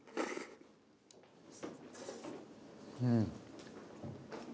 うん。